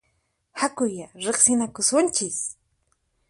Hakuyá riqsinakusunchis!